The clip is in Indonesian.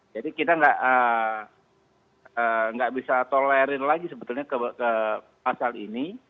jadi kita nggak bisa tolerin lagi sebetulnya ke pasal ini